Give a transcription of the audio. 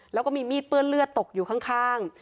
แล้วก็มีมีดเปื้อนเลือดตกอยู่ข้าง